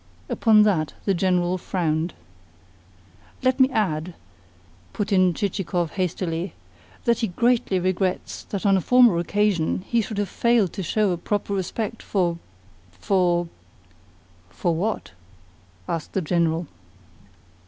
Upon that the General frowned. "Led me add," put in Chichikov hastily, "that he greatly regrets that on a former occasion he should have failed to show a proper respect for for " "For what?" asked the General.